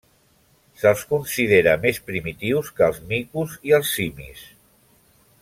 Se'ls considera més primitius que els micos i els simis.